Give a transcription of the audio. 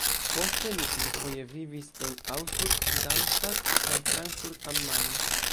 Poste li plurfoje vivis en Augsburg, Darmstadt kaj Frankfurt am Main.